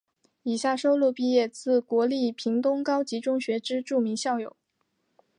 以下收录毕业自国立屏东高级中学之著名校友。